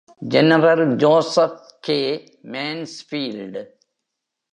General Joseph K. Mansfield.